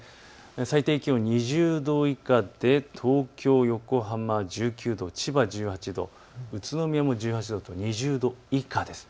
最低気温２０度以下で東京、横浜、１９度、千葉１８度、宇都宮も１８度と２０度以下です。